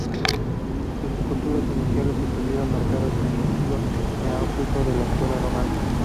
Sus esculturas iniciales estuvieron marcadas por el estilo Neoclásico de la Escuela Romana.